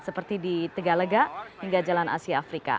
seperti di tegalega hingga jalan asia afrika